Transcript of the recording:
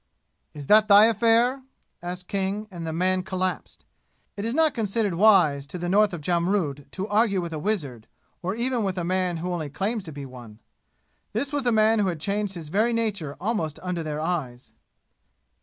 "Is that thy affair?" asked King, and the man collapsed. It is not considered wise to the north of Jamrud to argue with a wizard, or even with a man who only claims to be one. This was a man who had changed his very nature almost under their eyes.